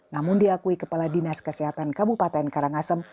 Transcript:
namun diakui kepala dinas kesehatan kabupaten karangasem